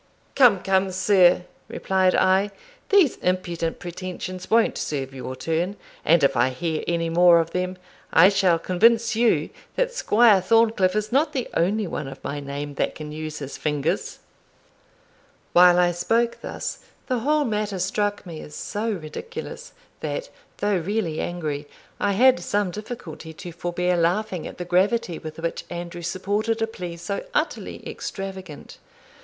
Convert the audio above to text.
"Come, come, sir," replied I, "these impudent pretensions won't serve your turn; and if I hear any more of them, I shall convince you that Squire Thorncliff is not the only one of my name that can use his fingers." While I spoke thus, the whole matter struck me as so ridiculous, that, though really angry, I had some difficulty to forbear laughing at the gravity with which Andrew supported a plea so utterly extravagant.